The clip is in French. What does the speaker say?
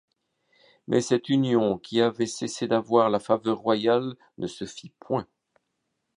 Mais cette union qui avait cessé d’avoir la faveur royale ne se fit point.